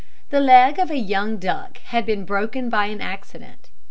The leg of a young duck had been broken by an accident.